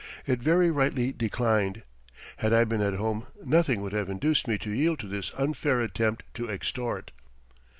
It very rightly declined. Had I been at home nothing would have induced me to yield to this unfair attempt to extort.